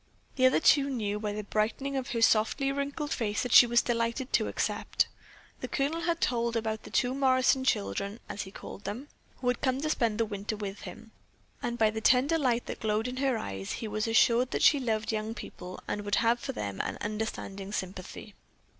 The other two knew by the brightening of her softly wrinkled face that she was delighted to accept. The Colonel had told about the two Morrison "children," as he called them, who had come to spend the winter with him, and by the tender light that glowed in her eyes he was assured that she loved young people and would have for them an understanding sympathy.